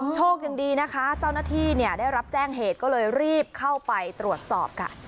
โชคดีนะคะเจ้าหน้าที่ได้รับแจ้งเหตุก็เลยรีบเข้าไปตรวจสอบกัน